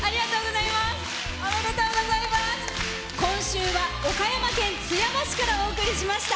今週は岡山県津山市からお送りしました。